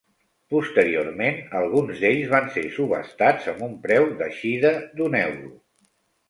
Posteriorment alguns d'ells van ser subhastats amb un preu d'eixida d'un euro.